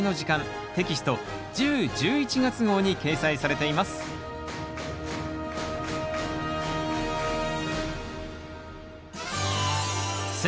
テキスト１０・１１月号に掲載されています選